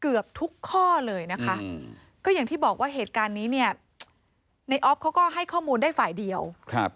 เกือบทุกข้อเลยก็อย่างที่บอกว่าเหตุการณ์เนี้ยในออฟเค้าก็ให้ข้อมูลได้ฝ่ายเดียวเพราะเค้าอยู่กัน